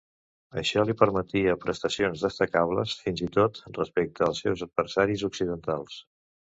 Això li permetia prestacions destacables, fins i tot respecte als seus adversaris occidentals.